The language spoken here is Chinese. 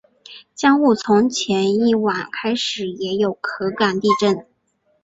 江户从前一晚开始也有可感地震。